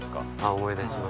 思い出します。